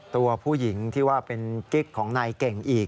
ตัวผู้หญิงที่ว่าเป็นกิ๊กของนายเก่งอีก